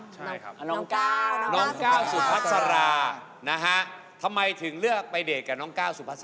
ใช่ครับน้องก้าวสุพัสรานะฮะทำไมถึงเลือกไปเดทกับน้องก้าวสุภาษา